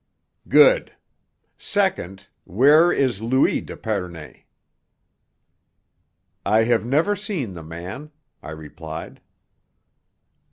"Good. Second, where is Louis d'Epernay?" "I have never seen the man," I replied.